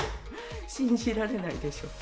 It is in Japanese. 信じられないでしょ。